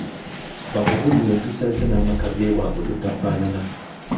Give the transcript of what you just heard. Bakubuulire empisa ze n'amaka ge waabwe bwe gafaanana.